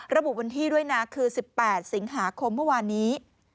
ระบุวันที่ด้วยนะคือ๑๘สิงหาคมเมื่อวานนี้